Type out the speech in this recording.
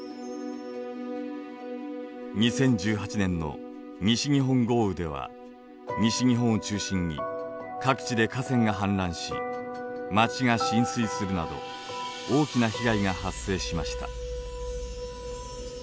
２０１８年の西日本豪雨では西日本を中心に各地で河川が氾濫し町が浸水するなど大きな被害が発生しました。